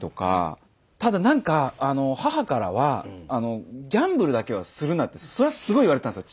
ただ何か母からは「ギャンブルだけはするな」ってそれはすごい言われたんですよ